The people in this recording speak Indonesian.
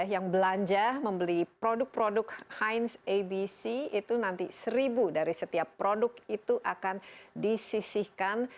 yang belanja membeli produk produk high abc itu nanti seribu dari setiap produk itu akan disisihkan